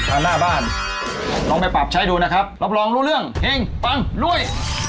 หน้าบ้านลองไปปรับใช้ดูนะครับรับรองรู้เรื่องเฮงปังรวย